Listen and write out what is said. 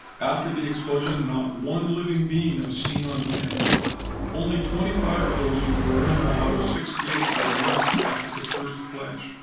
After the explosion not one living being was seen on land. Only twenty five of those on the Roraima out of sixty eight were left after the first flash.